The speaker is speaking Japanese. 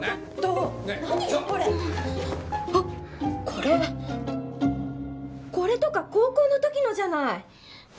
これあっこれこれとか高校の時のじゃない！